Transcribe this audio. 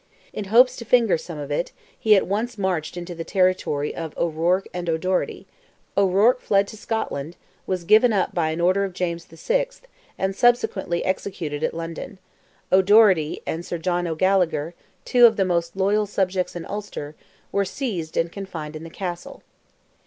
"In hopes to finger some of it," he at once marched into the territory of O'Ruarc and O'Doherty; O'Ruarc fled to Scotland, was given up by order of James VI., and subsequently executed at London; O'Doherty and Sir John O'Gallagher, "two of the most loyal subjects in Ulster," were seized and confined in the Castle.